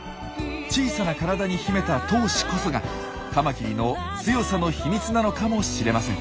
小さな体に秘めた闘志こそがカマキリの強さの秘密なのかもしれません。